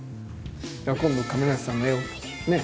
今度亀梨さんの絵をね